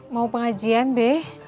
mau pengajian be